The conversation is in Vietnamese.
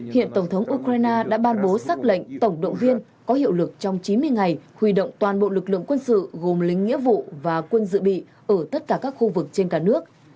hiện tổng thống ukraine đã ban bố xác lệnh tổng động viên có hiệu lực trong chín mươi ngày huy động toàn bộ lực lượng quân sự gồm lính nghĩa vụ và quân dự bị ở tất cả các khu vực trên cả nước